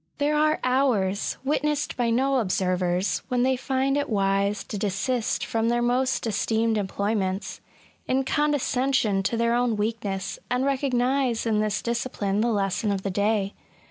There are hours, witnessed by no observers, when they find it wise to desist from their most esteemed employments, in con descension to their own weakness, and recognise in this discipline the lesson of the day.